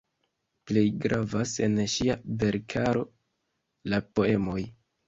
Plej gravas en ŝia verkaro la poemoj.